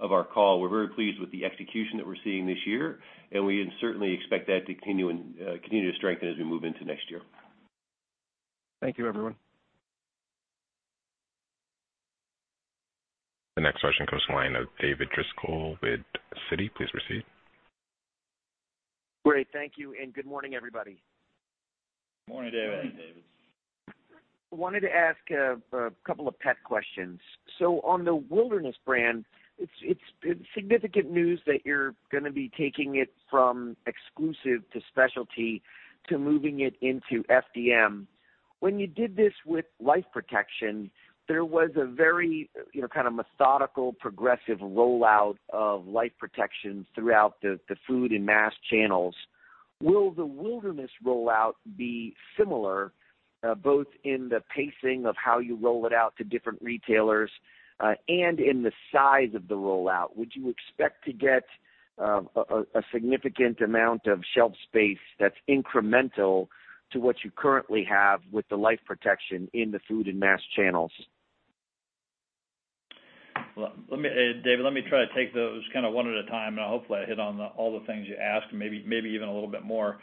of our call, we're very pleased with the execution that we're seeing this year, and we certainly expect that to continue to strengthen as we move into next year. Thank you, everyone. The next question comes from the line of David Driscoll with Citi. Please proceed. Great. Thank you, good morning, everybody. Morning, David. Morning, David. I wanted to ask a couple of pet questions. On the Wilderness brand, it's significant news that you're going to be taking it from exclusive to specialty to moving it into FDM. When you did this with Life Protection, there was a very methodical, progressive rollout of Life Protection throughout the food and mass channels. Will the Wilderness rollout be similar both in the pacing of how you roll it out to different retailers, and in the size of the rollout? Would you expect to get a significant amount of shelf space that's incremental to what you currently have with the Life Protection in the food and mass channels? David, let me try to take those one at a time, hopefully I hit on all the things you asked and maybe even a little bit more.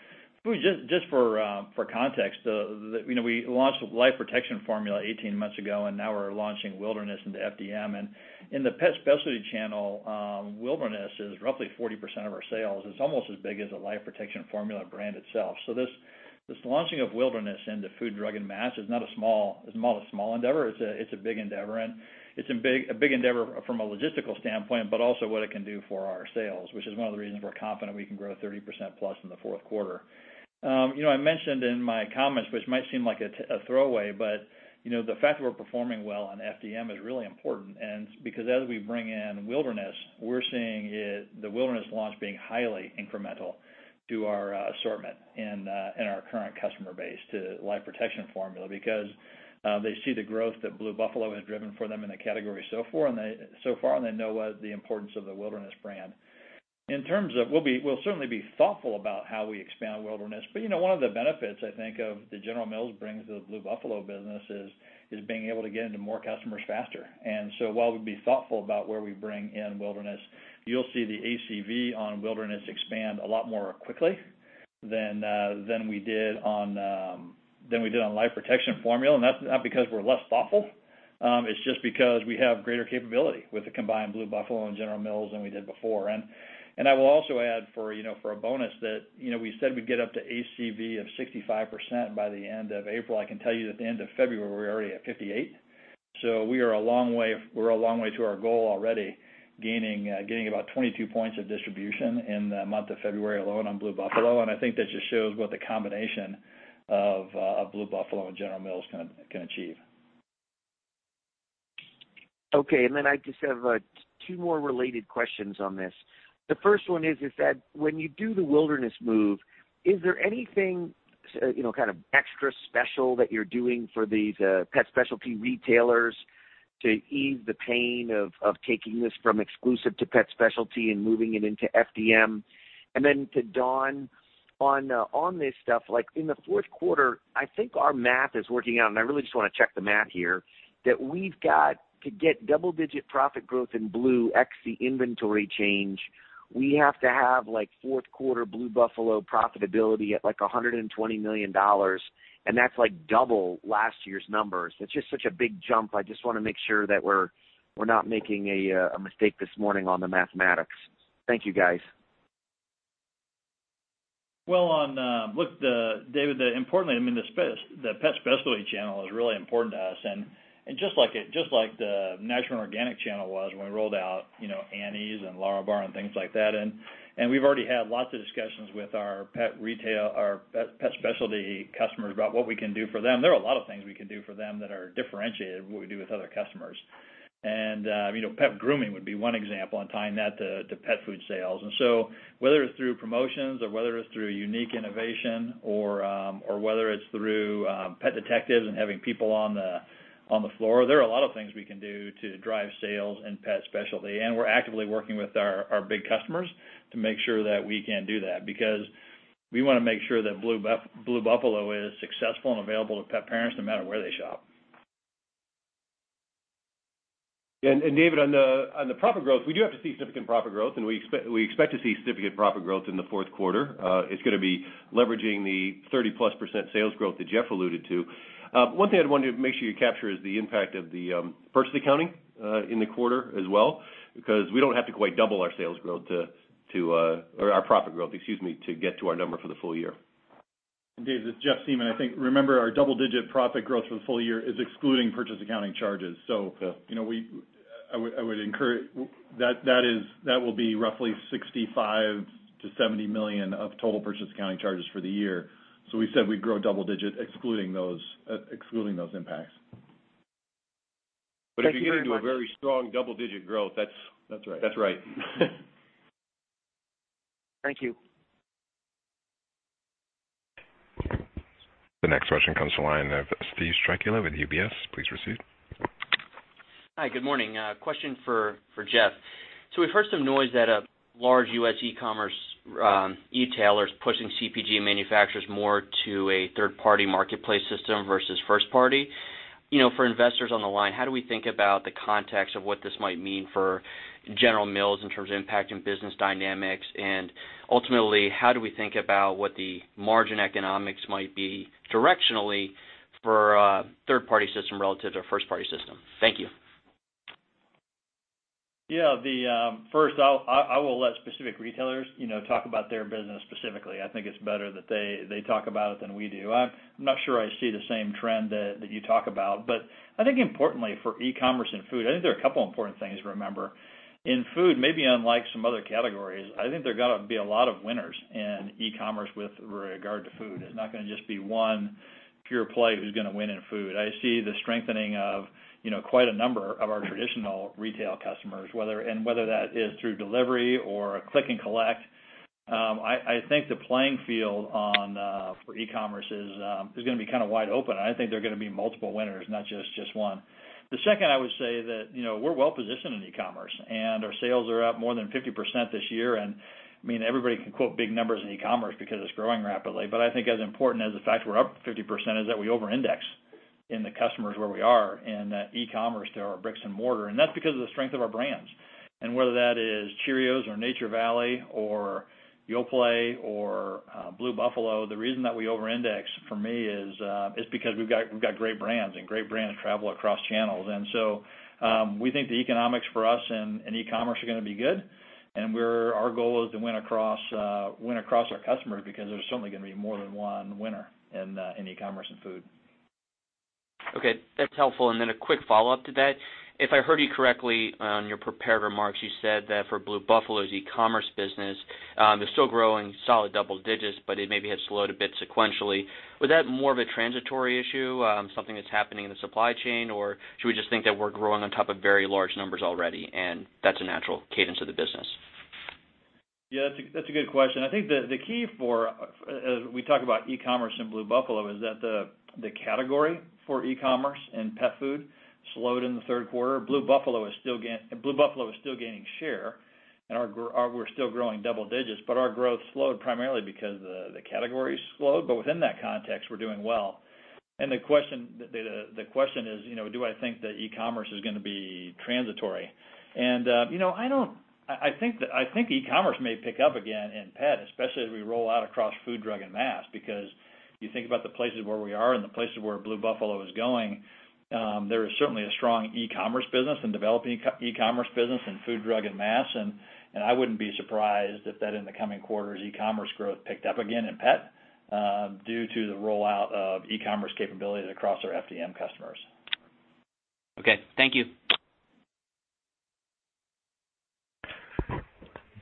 Just for context, we launched Life Protection Formula 18 months ago, now we're launching Wilderness into FDM. In the pet specialty channel, Wilderness is roughly 40% of our sales. It's almost as big as a Life Protection Formula brand itself. This launching of Wilderness into food, drug, and mass is not a small endeavor. It's a big endeavor, and it's a big endeavor from a logistical standpoint, but also what it can do for our sales, which is one of the reasons we're confident we can grow 30% plus in the fourth quarter. I mentioned in my comments, which might seem like a throwaway, the fact that we're performing well on FDM is really important. Because as we bring in Wilderness, we're seeing the Wilderness launch being highly incremental to our assortment and our current customer base to Life Protection Formula, because they see the growth that Blue Buffalo has driven for them in the category so far, and they know the importance of the Wilderness brand. We'll certainly be thoughtful about how we expand Wilderness, one of the benefits I think of that General Mills brings to the Blue Buffalo business is being able to get into more customers faster. While we'll be thoughtful about where we bring in Wilderness, you'll see the ACV on Wilderness expand a lot more quickly than we did on Life Protection Formula. That's not because we're less thoughtful. It's just because we have greater capability with the combined Blue Buffalo and General Mills than we did before. I will also add for a bonus that we said we'd get up to ACV of 65% by the end of April. I can tell you that at the end of February, we were already at 58. We're a long way to our goal already, gaining about 22 points of distribution in the month of February alone on Blue Buffalo, I think that just shows what the combination of Blue Buffalo and General Mills can achieve. Okay. I just have two more related questions on this. The first one is that when you do the Wilderness move, is there anything extra special that you're doing for these pet specialty retailers to ease the pain of taking this from exclusive to pet specialty and moving it into FDM? To Don, on this stuff, in the fourth quarter, I think our math is working out, and I really just want to check the math here, that we've got to get double-digit profit growth in Blue X, the inventory change. We have to have fourth quarter Blue Buffalo profitability at $120 million, and that's double last year's numbers. It's just such a big jump. I just want to make sure that we're not making a mistake this morning on the mathematics. Thank you, guys. Well, look, David, importantly, the pet specialty channel is really important to us, just like the natural and organic channel was when we rolled out Annie's and LÄRABAR and things like that. We've already had lots of discussions with our pet specialty customers about what we can do for them. There are a lot of things we can do for them that are differentiated from what we do with other customers. Pet grooming would be one example and tying that to pet food sales. So whether it's through promotions or whether it's through unique innovation or whether it's through pet detectives and having people on the floor, there are a lot of things we can do to drive sales in pet specialty, and we're actively working with our big customers to make sure that we can do that, because we want to make sure that Blue Buffalo is successful and available to pet parents no matter where they shop. David, on the profit growth, we do have to see significant profit growth, and we expect to see significant profit growth in the fourth quarter. It's going to be leveraging the 30+% sales growth that Jeff alluded to. One thing I'd want to make sure you capture is the impact of the purchase accounting in the quarter as well, because we don't have to quite double our sales growth, or our profit growth, excuse me, to get to our number for the full year. Dave, this is Jeff Siemon. I think, remember, our double-digit profit growth for the full year is excluding purchase accounting charges. That will be roughly $65 million to $70 million of total purchase accounting charges for the year. We said we'd grow double digits excluding those impacts. If you get into a very strong double-digit growth. That's right. Thank you. The next question comes to the line of Steve Strycula with UBS. Please proceed. Hi, good morning. A question for Jeff. We've heard some noise that large U.S. e-tailers pushing CPG manufacturers more to a third-party marketplace system versus first party. For investors on the line, how do we think about the context of what this might mean for General Mills in terms of impacting business dynamics? Ultimately, how do we think about what the margin economics might be directionally for a third-party system relative to a first-party system? Thank you. Yeah. First, I will let specific retailers talk about their business specifically. I think it's better that they talk about it than we do. I'm not sure I see the same trend that you talk about. I think importantly for e-commerce and food, there are a couple important things to remember. In food, maybe unlike some other categories, I think there are going to be a lot of winners in e-commerce with regard to food. It's not going to just be one pure play who's going to win in food. I see the strengthening of quite a number of our traditional retail customers, whether that is through delivery or click and collect. I think the playing field for e-commerce is going to be kind of wide open. I think there are going to be multiple winners, not just one. The second, I would say that we're well-positioned in e-commerce, our sales are up more than 50% this year. Everybody can quote big numbers in e-commerce because it's growing rapidly. I think as important as the fact we're up 50% is that we over-index in the customers where we are in e-commerce to our bricks and mortar, that's because of the strength of our brands. Whether that is Cheerios or Nature Valley or Yoplait or Blue Buffalo, the reason that we over-index, for me, is because we've got great brands, great brands travel across channels. We think the economics for us in e-commerce are going to be good. Our goal is to win across customers because there's certainly going to be more than one winner in e-commerce and food. Okay. That's helpful. A quick follow-up to that. If I heard you correctly on your prepared remarks, you said that for Blue Buffalo's e-commerce business, they're still growing solid double digits, but it maybe has slowed a bit sequentially. Was that more of a transitory issue, something that's happening in the supply chain, or should we just think that we're growing on top of very large numbers already and that's a natural cadence of the business? Yeah, that's a good question. I think the key for, as we talk about e-commerce and Blue Buffalo, is that the category for e-commerce in pet food slowed in the third quarter. Blue Buffalo is still gaining share, we're still growing double digits, but our growth slowed primarily because the category slowed. Within that context, we're doing well. The question is, do I think that e-commerce is going to be transitory? I think e-commerce may pick up again in pet, especially as we roll out across food, drug, and mass, because you think about the places where we are and the places where Blue Buffalo is going, there is certainly a strong e-commerce business and developing e-commerce business in food, drug, and mass. I wouldn't be surprised if that in the coming quarters, e-commerce growth picked up again in pet due to the rollout of e-commerce capabilities across our FDM customers. Okay. Thank you.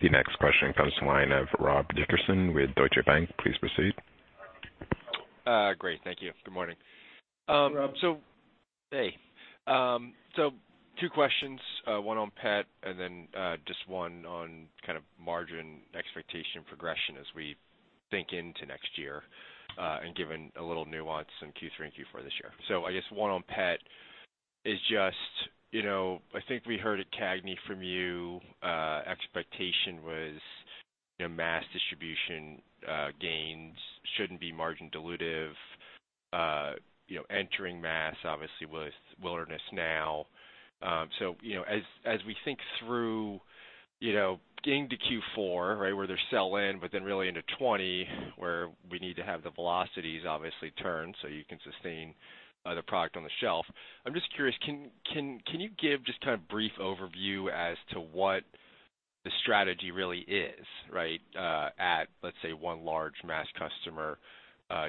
The next question comes to line of Rob Dickerson with Deutsche Bank. Please proceed. Great, thank you. Good morning. Rob. Hey. Two questions, one on pet, one on margin expectation progression as we think into next year, given a little nuance in Q3 and Q4 this year. I think we heard at CAGNY from you, expectation was mass distribution gains shouldn't be margin dilutive. Entering mass obviously was Wilderness now. As we think through getting to Q4, right, where there's sell-in, really into 2020, where we need to have the velocities obviously turn so you can sustain the product on the shelf. Can you give a brief overview as to what the strategy really is, right, at, let's say, one large mass customer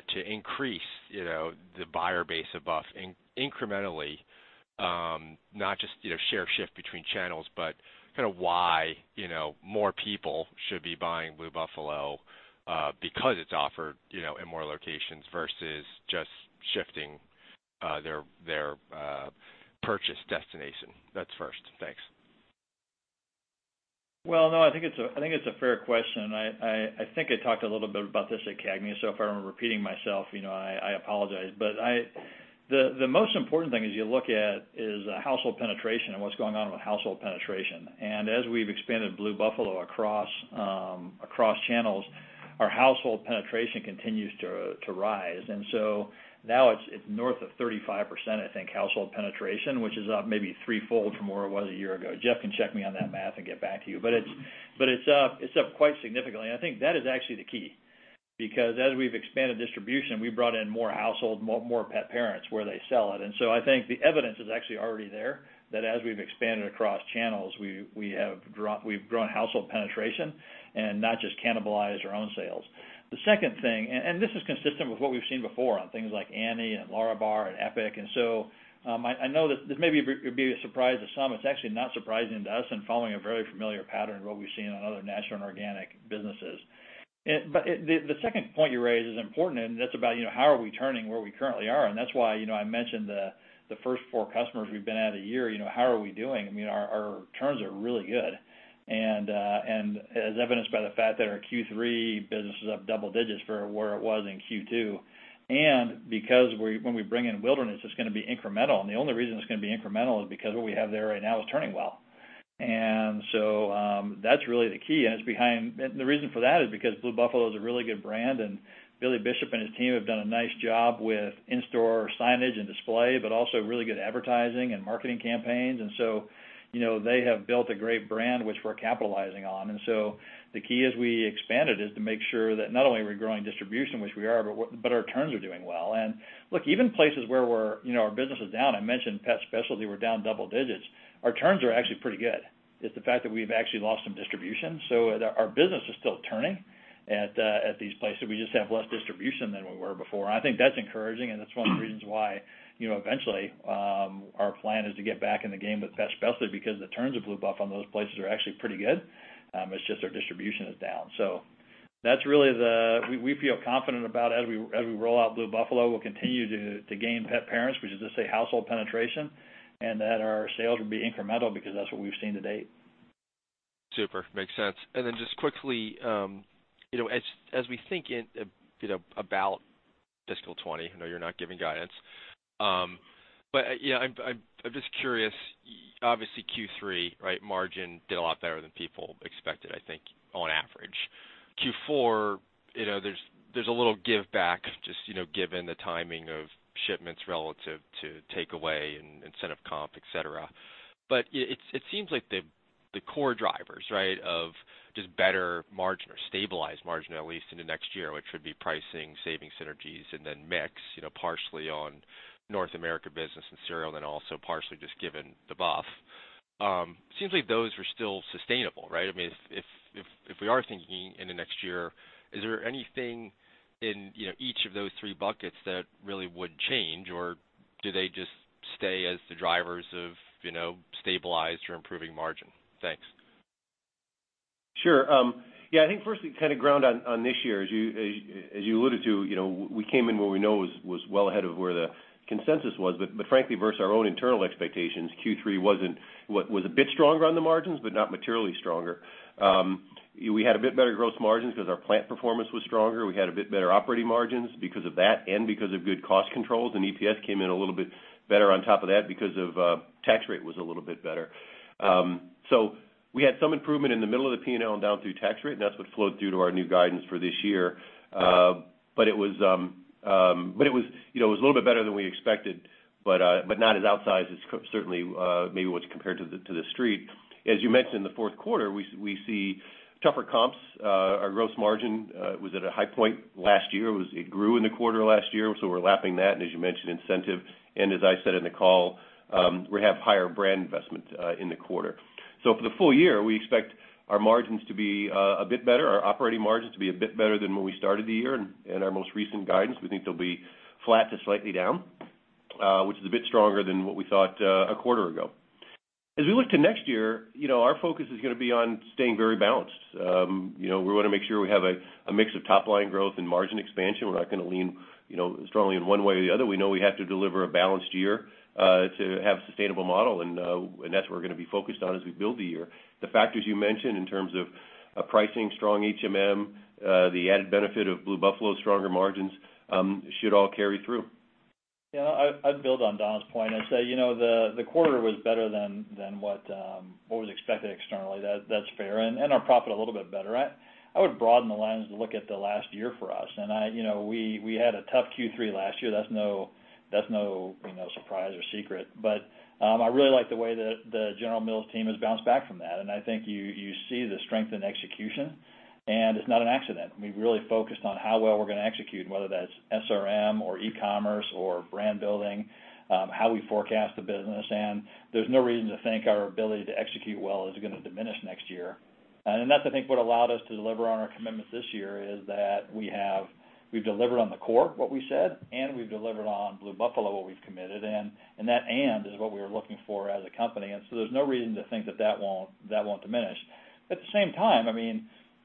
to increase the buyer base of Blue incrementally. Not just share shift between channels, why more people should be buying Blue Buffalo because it's offered in more locations versus just shifting their purchase destination. That's first. Thanks. I think it's a fair question. I think I talked a little bit about this at CAGNY. If I'm repeating myself, I apologize. The most important thing is you look at is household penetration and what's going on with household penetration. As we've expanded Blue Buffalo across channels, our household penetration continues to rise. Now it's north of 35%, I think, household penetration, which is up maybe threefold from where it was a year ago. Jeff can check me on that math and get back to you. It's up quite significantly, and I think that is actually the key. As we've expanded distribution, we brought in more household, more pet parents where they sell it. I think the evidence is actually already there, that as we've expanded across channels, we've grown household penetration and not just cannibalized our own sales. The second thing, this is consistent with what we've seen before on things like Annie's and LÄRABAR and EPIC. I know that this maybe it would be a surprise to some. It's actually not surprising to us, following a very familiar pattern of what we've seen on other natural and organic businesses. The second point you raised is important, about how are we turning where we currently are? That's why I mentioned the first four customers we've been at a year, how are we doing? Our turns are really good, evidenced by the fact that our Q3 business is up double digits for where it was in Q2. When we bring in Wilderness, it's going to be incremental. The only reason it's going to be incremental is because what we have there right now is turning well. That's really the key, and the reason for that is because Blue Buffalo is a really good brand, and Billy Bishop and his team have done a nice job with in-store signage and display, but also really good advertising and marketing campaigns. They have built a great brand, which we're capitalizing on. The key as we expanded is to make sure that not only are we growing distribution, which we are, but our turns are doing well. Look, even places where our business is down, I mentioned pet specialty, we're down double digits. Our turns are actually pretty good. It's the fact that we've actually lost some distribution. Our business is still turning at these places. We just have less distribution than we were before. I think that's encouraging, and it's one of the reasons why eventually, our plan is to get back in the game with pet specialty because the turns of Blue Buffalo in those places are actually pretty good. It's just our distribution is down. We feel confident about as we roll out Blue Buffalo, we'll continue to gain pet parents, which is to say household penetration, and that our sales will be incremental because that's what we've seen to date. Super, makes sense. Then just quickly, as we think about fiscal 2020, I know you're not giving guidance. I'm just curious, obviously Q3 margin did a lot better than people expected, I think, on average. Q4, there's a little giveback just given the timing of shipments relative to take away and incentive comp, et cetera. It seems like the core drivers of just better margin or stabilized margin, at least into next year, which would be pricing, saving synergies, and then mix, partially on North America business and cereal and also partially just given the buff. It seems like those are still sustainable, right? If we are thinking into next year, is there anything in each of those three buckets that really would change, or do they just stay as the drivers of stabilized or improving margin? Thanks. Sure. I think firstly, to ground on this year, as you alluded to, we came in where we know was well ahead of where the consensus was. Frankly, versus our own internal expectations, Q3 was a bit stronger on the margins, but not materially stronger. We had a bit better gross margins because our plant performance was stronger. We had a bit better operating margins because of that and because of good cost controls, and EPS came in a little bit better on top of that because of tax rate was a little bit better. We had some improvement in the middle of the P&L and down through tax rate, and that's what flowed through to our new guidance for this year. It was a little bit better than we expected, but not as outsized as certainly maybe what's compared to the street. As you mentioned, the fourth quarter, we see tougher comps. Our gross margin was at a high point last year. It grew in the quarter last year, so we're lapping that, and as you mentioned, incentive. As I said in the call, we have higher brand investment in the quarter. For the full year, we expect our margins to be a bit better, our operating margins to be a bit better than when we started the year. In our most recent guidance, we think they'll be flat to slightly down, which is a bit stronger than what we thought a quarter ago. As we look to next year, our focus is going to be on staying very balanced. We want to make sure we have a mix of top-line growth and margin expansion. We're not going to lean strongly in one way or the other. We know we have to deliver a balanced year, to have a sustainable model, and that's what we're going to be focused on as we build the year. The factors you mentioned in terms of pricing, strong HMM, the added benefit of Blue Buffalo, stronger margins, should all carry through. Yeah, I'd build on Don's point. I'd say the quarter was better than what was expected externally. That's fair. Our profit a little bit better. I would broaden the lens to look at the last year for us. We had a tough Q3 last year. That's no surprise or secret. I really like the way the General Mills team has bounced back from that, and I think you see the strength in execution, and it's not an accident. We've really focused on how well we're going to execute, and whether that's SRM or e-commerce or brand building, how we forecast the business. There's no reason to think our ability to execute well is going to diminish next year. That's, I think, what allowed us to deliver on our commitments this year, is that we've delivered on the core, what we said, and we've delivered on Blue Buffalo, what we've committed, and that is what we were looking for as a company. There's no reason to think that won't diminish. At the same time,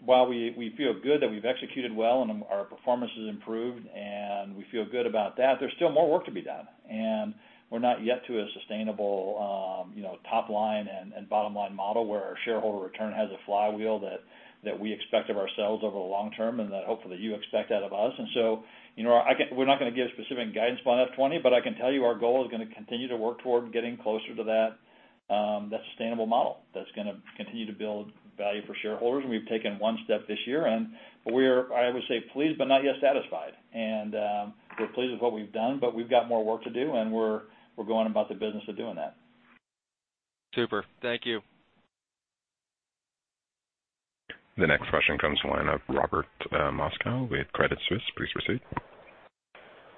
while we feel good that we've executed well and our performance has improved and we feel good about that, there's still more work to be done. We're not yet to a sustainable top-line and bottom-line model where our shareholder return has a flywheel that we expect of ourselves over the long term and that hopefully you expect out of us. We're not going to give specific guidance for FY20, but I can tell you our goal is going to continue to work toward getting closer to that. That's a sustainable model that's going to continue to build value for shareholders, and we've taken one step this year, and we're, I would say, pleased, but not yet satisfied. We're pleased with what we've done, but we've got more work to do, and we're going about the business of doing that. Super. Thank you. The next question comes from the line of Robert Moskow with Credit Suisse. Please proceed.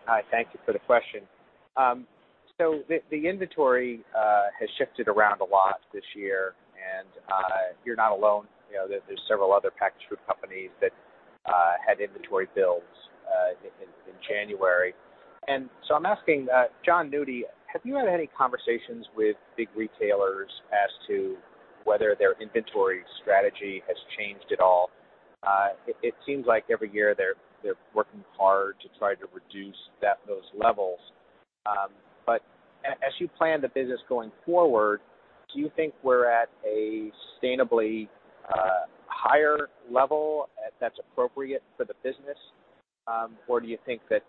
Hi, thank you for the question. The inventory has shifted around a lot this year, and you're not alone. There's several other packaged food companies that had inventory builds in January. I'm asking, Jon Nudi, have you had any conversations with big retailers as to whether their inventory strategy has changed at all? It seems like every year they're working hard to try to reduce those levels. As you plan the business going forward, do you think we're at a sustainably higher level that's appropriate for the business? Or do you think that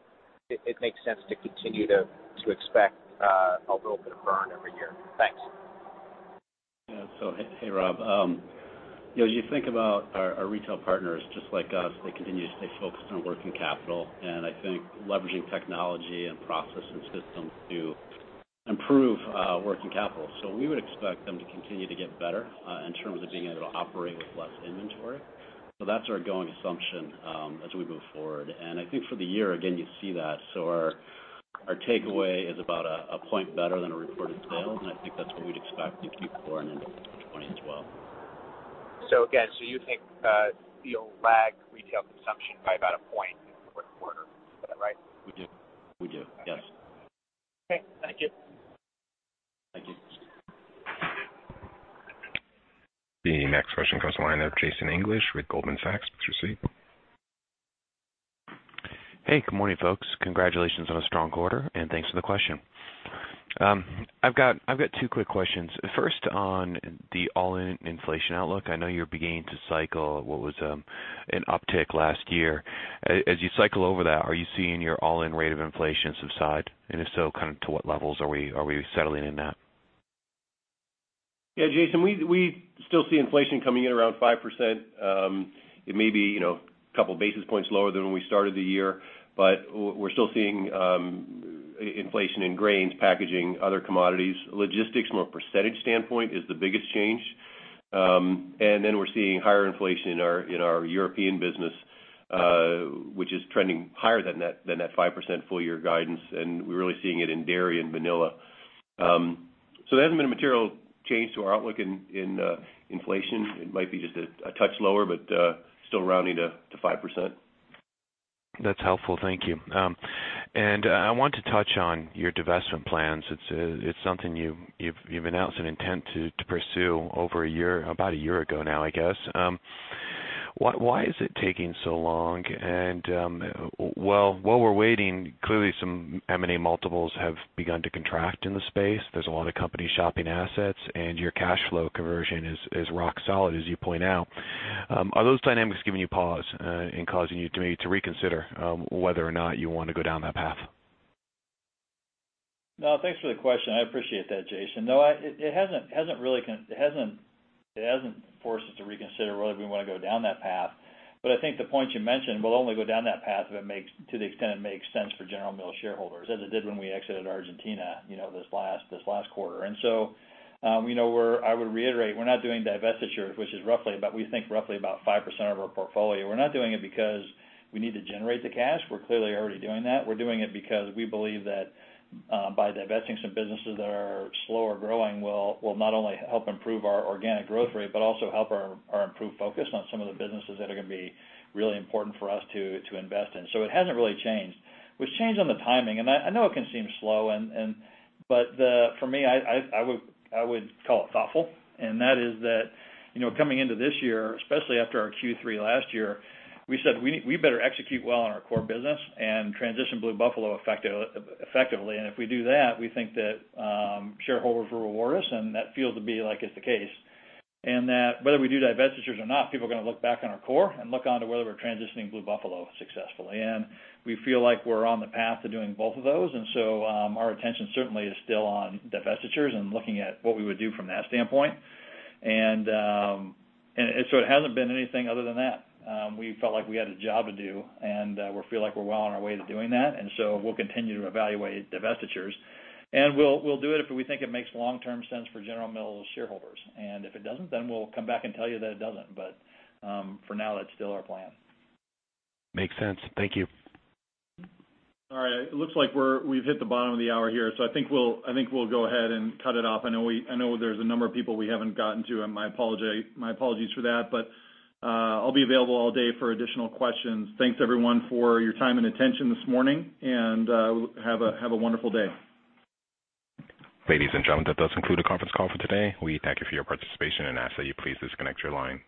it makes sense to continue to expect a little bit of burn every year? Thanks. Hey, Rob. As you think about our retail partners, just like us, they continue to stay focused on working capital, I think leveraging technology and process and systems to improve working capital. We would expect them to continue to get better in terms of being able to operate with less inventory. That's our going assumption as we move forward. I think for the year, again, you see that. Our takeaway is about one point better than a reported sales, and I think that's what we'd expect to keep going into 2020 as well. Again, you think you'll lag retail consumption by about one point in the fourth quarter. Is that right? We do. We do, yes. Okay, thank you. Thank you. The next question comes the line of Jason English with Goldman Sachs. Please proceed. Hey, good morning, folks. Congratulations on a strong quarter. Thanks for the question. I've got two quick questions. First, on the all-in inflation outlook, I know you're beginning to cycle what was an uptick last year. As you cycle over that, are you seeing your all-in rate of inflation subside? If so, to what levels are we settling in at? Yeah, Jason, we still see inflation coming in around 5%. It may be couple basis points lower than when we started the year. We're still seeing inflation in grains, packaging, other commodities. Logistics, from a percentage standpoint, is the biggest change. We're seeing higher inflation in our European business, which is trending higher than that 5% full-year guidance, and we're really seeing it in dairy and vanilla. There hasn't been a material change to our outlook in inflation. It might be just a touch lower, but still rounding to 5%. That's helpful. Thank you. I want to touch on your divestment plans. It's something you've announced an intent to pursue over a year, about a year ago now, I guess. Why is it taking so long? While we're waiting, clearly some M&A multiples have begun to contract in the space. There's a lot of companies shopping assets, and your cash flow conversion is rock solid, as you point out. Are those dynamics giving you pause and causing you to maybe reconsider whether or not you want to go down that path? No, thanks for the question. I appreciate that, Jason. No, it hasn't forced us to reconsider whether we want to go down that path. I think the point you mentioned, we'll only go down that path to the extent it makes sense for General Mills shareholders, as it did when we exited Argentina this last quarter. I would reiterate, we're not doing divestitures, which is roughly about 5% of our portfolio. We're not doing it because we need to generate the cash. We're clearly already doing that. We're doing it because we believe that by divesting some businesses that are slower growing will not only help improve our organic growth rate, but also help our improved focus on some of the businesses that are going to be really important for us to invest in. It hasn't really changed. What's changed on the timing, I know it can seem slow, for me, I would call it thoughtful, coming into this year, especially after our Q3 last year, we said we better execute well on our core business and transition Blue Buffalo effectively. If we do that, we think that shareholders will reward us, that feels to be like it's the case. Whether we do divestitures or not, people are going to look back on our core and look onto whether we're transitioning Blue Buffalo successfully. We feel like we're on the path to doing both of those, our attention certainly is still on divestitures and looking at what we would do from that standpoint. It hasn't been anything other than that. We felt like we had a job to do, we feel like we're well on our way to doing that, we'll continue to evaluate divestitures. We'll do it if we think it makes long-term sense for General Mills shareholders. If it doesn't, we'll come back and tell you that it doesn't. For now, that's still our plan. Makes sense. Thank you. All right. It looks like we've hit the bottom of the hour here. I think we'll go ahead and cut it off. I know there's a number of people we haven't gotten to, and my apologies for that. I'll be available all day for additional questions. Thanks, everyone, for your time and attention this morning, and have a wonderful day. Ladies and gentlemen, that does conclude our conference call for today. We thank you for your participation and ask that you please disconnect your line.